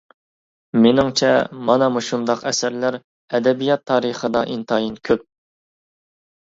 مېنىڭچە مانا مۇشۇنداق ئەسەرلەر ئەدەبىيات تارىخىدا ئىنتايىن كۆپ.